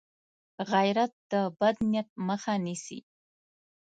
غیرت د بد نیت مخه نیسي